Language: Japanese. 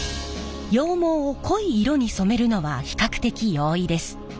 羊毛を濃い色に染めるのは比較的容易です。